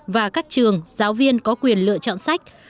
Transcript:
và các trường giáo viên có quyền lựa chọn sách